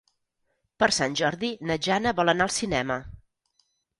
Per Sant Jordi na Jana vol anar al cinema.